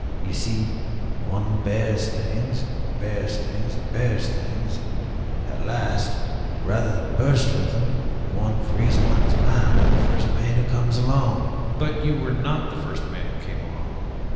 You see, one bears things and bears things and bears things; and at last, rather than burst with them, one frees one's mind to the first man who comes along." "But you were not the first man who came along.